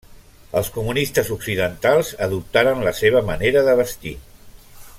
Els comunistes occidentals adoptaren la seva manera de vestir.